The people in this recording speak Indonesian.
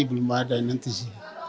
belum ada nanti sih